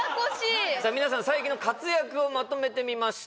皆さん最近の活躍をまとめてみました